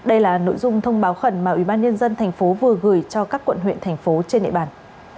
ủy ban nhân dân tp hcm vừa gửi cho các quận huyện tp hcm trên địa bàn